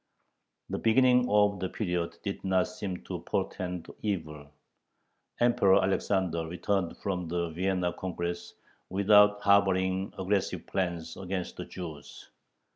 The beginning of the period did not seem to portend evil. Emperor Alexander returned from the Vienna Congress without harboring aggressive plans against the Jews.